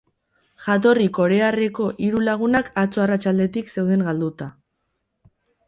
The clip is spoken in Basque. Jatorri korearreko hiru lagunak atzo arratsaldetik zeuden galduta.